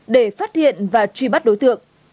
để phát hiện và truy bắt đối tượng